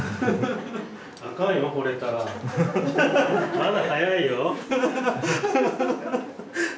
まだ早いよ。